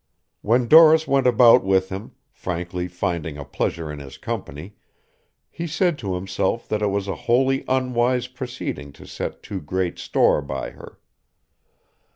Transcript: When Doris went about with him, frankly finding a pleasure in his company, he said to himself that it was a wholly unwise proceeding to set too great store by her.